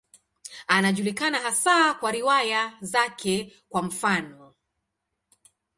Anajulikana hasa kwa riwaya zake, kwa mfano.